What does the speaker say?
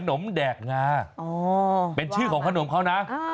มแดกงาเป็นชื่อของขนมเขานะ